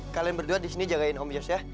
kalian berdua disini jagain nomeos ya